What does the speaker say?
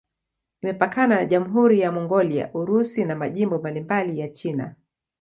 Imepakana na Jamhuri ya Mongolia, Urusi na majimbo mbalimbali ya China.